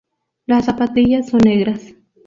Las zapatillas son negras.